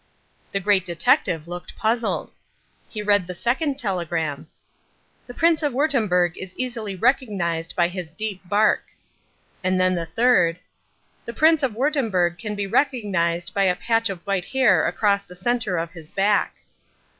The Great Detective looked puzzled. He read the second telegram. "The Prince of Wurttemberg is easily recognised by his deep bark." And then the third. "The Prince of Wurttemberg can be recognised by a patch of white hair across the centre of his back."